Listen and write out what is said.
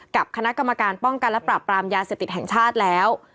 กับคณะกรรมการป้องกันและปรับปรามยาเสพติดแห่งชาติแล้ว